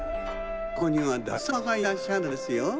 ここには大仏さまがいらっしゃるんですよ。